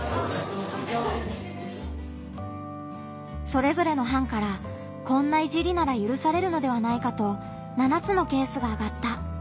それぞれの班から「こんないじりならゆるされるのではないかと７つのケースがあがった。